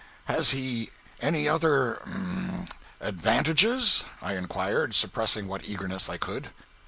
"Has he any other—er—advantages?" I inquired, suppressing what eagerness I could.